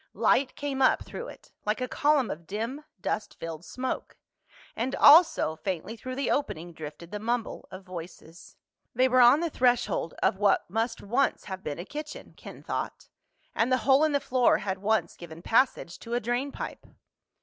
Light came up through it, like a column of dim dust filled smoke. And also, faintly through the opening, drifted the mumble of voices. They were on the threshold of what must once have been a kitchen, Ken thought. And the hole in the floor had once given passage to a drain pipe.